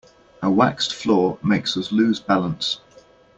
A waxed floor makes us lose balance.